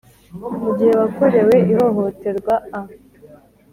mu gihe wakorewe ihohoterwa, a